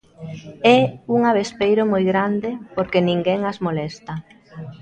É un avespeiro moi grande, porque ninguén as molesta.